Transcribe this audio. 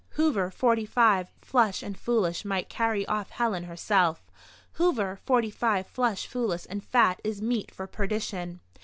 Hoover, forty five, flush and foolish, might carry off Helen herself; Hoover, forty five, flush, foolish and fat is meat for perdition.